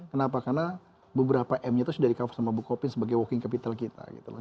kenapa karena beberapa m nya itu sudah di cover sama bukopin sebagai working capital kita gitu loh